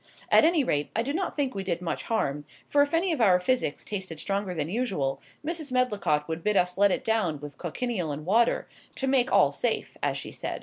At any rate, I do not think we did much harm; for if any of our physics tasted stronger than usual, Mrs. Medlicott would bid us let it down with cochineal and water, to make all safe, as she said.